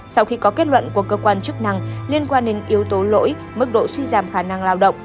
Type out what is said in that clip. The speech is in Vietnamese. sau khi có kết luận của cơ quan chức năng liên quan đến yếu tố lỗi mức độ suy giảm khả năng lao động